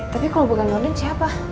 tapi kalau bukan london siapa